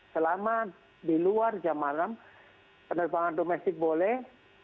selama di luar jam malam penerbangan domestik boleh